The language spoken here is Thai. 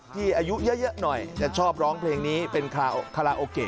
อายุเยอะหน่อยจะชอบร้องเพลงนี้เป็นคาราโอเกะ